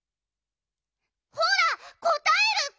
ほらこたえるッピ！